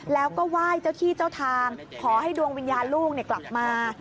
แล้วก็ไหว้เจ้าที่เจ้าทางขอให้ดวงวิญญาณลูกกลับมา